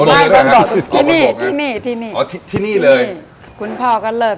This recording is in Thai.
เบิ่มมากี่ปีแล้วครับแม่ครับ